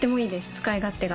使い勝手が。